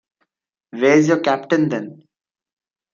Where's your captain then?